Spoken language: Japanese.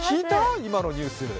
今のニュース。